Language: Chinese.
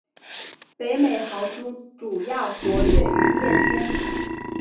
北美豪猪主要活跃于夜间。